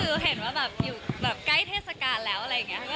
คือเห็นว่าแบบอยู่แบบใกล้เทศกาลแล้วอะไรอย่างนี้ค่ะ